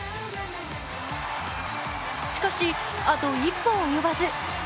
しかし、あと一歩及ばず。